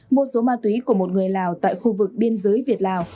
mua số ma túy của một người lào tại khu vực biên giới việt lào